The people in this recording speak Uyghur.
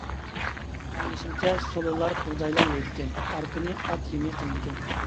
ئاڭلىشىمچە سولۇنلار بۇغدايلا يەيدىكەن، ئارپىنى ئات يېمى قىلىدىكەن.